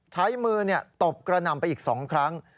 ใช้มือตบกระหน่ำไปอีก๒ครั้ง